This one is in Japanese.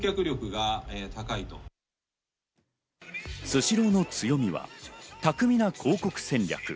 スシローの強みは巧みな広告戦略。